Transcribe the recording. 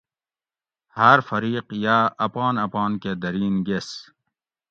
ھاۤر فریق یاۤ اپان اپان کہ درین گیس